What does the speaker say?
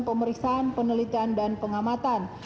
pemeriksaan penelitian dan pengamatan